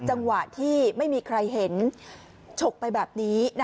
จังหวะที่ไม่มีใครเห็นฉกไปแบบนี้